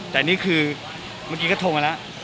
แต่นี่คือเมื่อกี้ก็โทรมาแล้ว